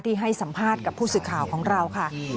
ให้สัมภาษณ์กับผู้สื่อข่าวของเราค่ะ